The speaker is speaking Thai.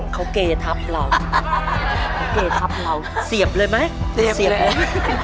เขาเกทับเราเขาเกทับเราเสียบเลยไหมเสียบเลย